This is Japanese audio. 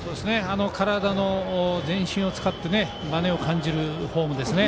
体全身を使ったばねを感じるフォームですね。